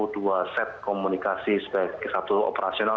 dua set komunikasi sebagai satu operasional